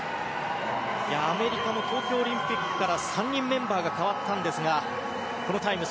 アメリカも東京オリンピックから３人メンバーが変わったんですがこのタイム。